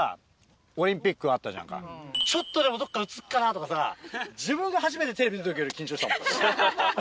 ちょっとでもどっか映っかな？とかさ自分が初めてテレビ出た時より緊張したもん。